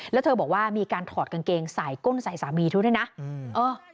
แล้วเธอบอกว่ามีการถอดกางเกงใส่ก้นใส่สามีทุกอย่างด้วยนะ